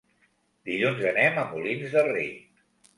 Dilluns anem a Molins de Rei.